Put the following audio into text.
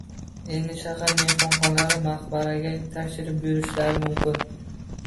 Endi shahar mehmonlari maqbaraga tashrif buyurishlari mumkin.